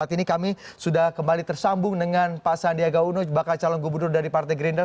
saat ini kami sudah kembali tersambung dengan pak sandiaga uno bakal calon gubernur dari partai gerindra